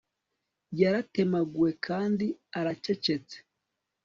yaratemaguwe kandi aracecetse